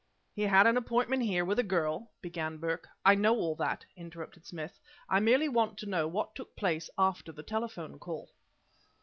"He had an appointment here with the girl," began Burke "I know all that," interrupted Smith. "I merely want to know, what took place after the telephone call?"